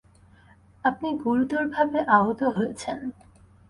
আপনি গুরুতরভাবে আহত হয়েছেন।